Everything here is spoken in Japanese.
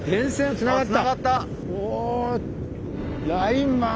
つながった！